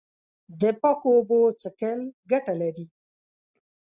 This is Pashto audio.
د پاکو اوبو څښل ګټه لري.